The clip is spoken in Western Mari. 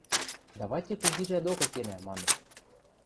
– Давайте кугижӓ докы кенӓ, – маныт.